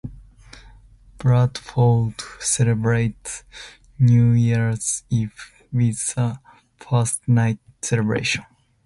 Bradford celebrates New Year's Eve with a First Night celebration.